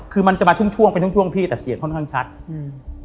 คือมันจะมาช่วงช่วงเป็นช่วงช่วงพี่แต่เสียงค่อนข้างชัดอืม